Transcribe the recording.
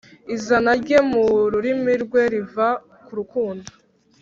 Izana rye mu rurimi rwe riva ku rukundo